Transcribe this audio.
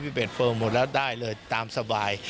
เบ็ดเฟิร์มหมดแล้วได้เลยตามสบาย